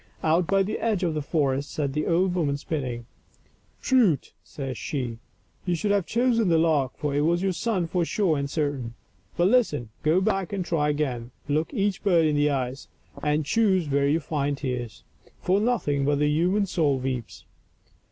Out by the edge of the forest sat the old woman spinning. " Prut !*' says she, " you should have chosen the lark, for it was your son for sure and certain. But listen ; go back and try again ; look each bird in the eyes, and choose where you find tears ; for nothing but the human soul weeps."